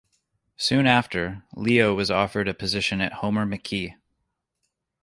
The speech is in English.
Soon after, Leo was offered a position at Homer McKee.